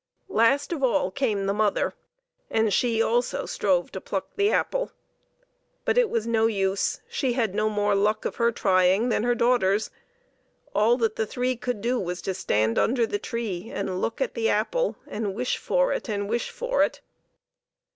Last of all came the mother, and she also strove to pluck the apple. But it was no use. She had no more luck of her trying than her daughters ; all that the three could do was to stand under the tree and look at the apple, and wish for it and wish for it.